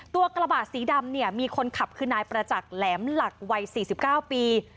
ตัวกระบะสีดำมีคนขับคือนายประจักรแหลมหลักวัย๔๙ปี